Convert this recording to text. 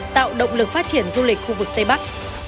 tạo động lực phát triển du lịch khu vực tây bắc